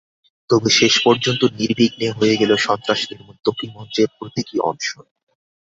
তবু শেষ পর্যন্ত নির্বিঘ্নে হয়ে গেল সন্ত্রাস নির্মূল ত্বকী মঞ্চের প্রতীকী অনশন।